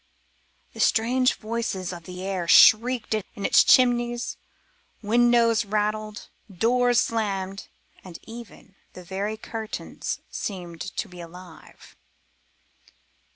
The strange voices of the air shrieked in its chimneys windows rattled, doors slammed, and even, the very curtains seemed to live and move.